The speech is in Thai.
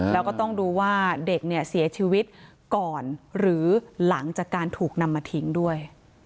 แล้วก็ต้องดูว่าเด็กเนี่ยเสียชีวิตก่อนหรือหลังจากการถูกนำมาทิ้งด้วย